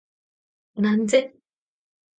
なんぜ？